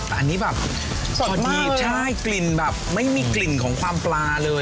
แต่อันนี้แบบสดใช่กลิ่นแบบไม่มีกลิ่นของความปลาเลย